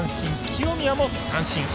清宮も三振。